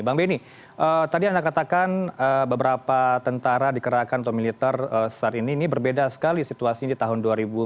bang benny tadi anda katakan beberapa tentara dikerahkan atau militer saat ini ini berbeda sekali situasinya di tahun dua ribu sembilan belas